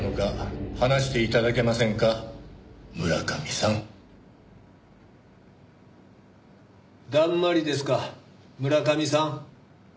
だんまりですか村上さん。